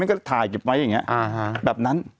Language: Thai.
ก็ถ่ายแบบนั้น